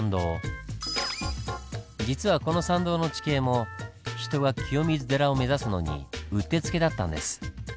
実はこの参道の地形も人が清水寺を目指すのにうってつけだったんです。